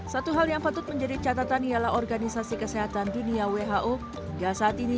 satu hal yang patut menjadi catatan ialah organisasi kesehatan dunia who hingga saat ini